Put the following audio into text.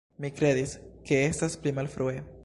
Mi kredis, ke estas pli malfrue.